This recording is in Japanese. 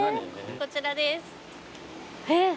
こちらです。